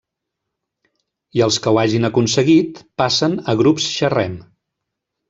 I els que ho hagin aconseguit, passen a grups Xerrem.